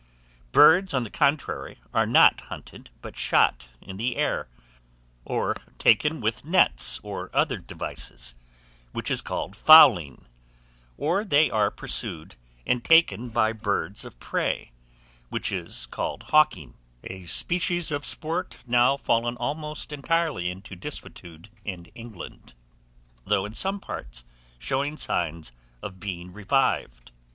Birds, on the contrary, are not hunted, but shot in the air, or taken with nets and other devices, which is called fowling; or they are pursued and taken by birds of prey, which is called hawking, a species of sport now fallen almost entirely into desuetude in England, although, in some parts, showing signs of being revived.